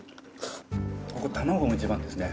ここ玉子も一番ですね